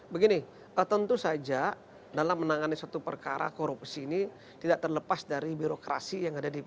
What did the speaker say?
begini tentu saja dalam menangani suatu perkara korupsi ini tidak terlepas dari birokrasi yang ada di